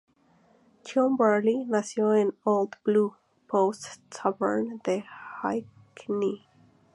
John Varley nació en la Old Blue Post Tavern de Hackney.